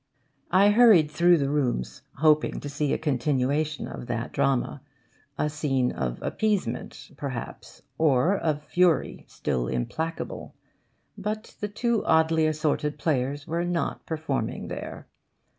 I hurried through the rooms, hoping to see a continuation of that drama a scene of appeasement, perhaps, or of fury still implacable. But the two oddly assorted players were not performing there.